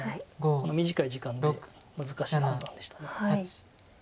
この短い時間で難しい判断でした。